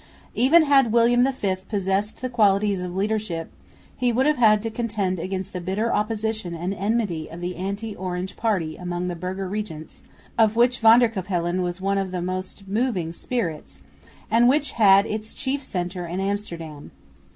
Even had William V possessed the qualities of leadership, he would have had to contend against the bitter opposition and enmity of the anti Orange party among the burgher regents, of which Van der Capellen was one of the most moving spirits, and which had its chief centre in Amsterdam.